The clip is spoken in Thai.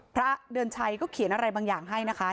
พระเดือนชัยก็เขียนอะไรบางอย่างให้นะคะ